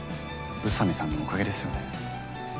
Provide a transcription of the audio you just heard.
宇佐美さんのおかげですよね。